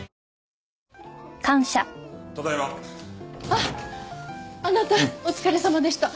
あっあなたお疲れさまでした。